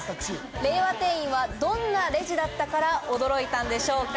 令和店員はどんなレジだったから驚いたんでしょうか？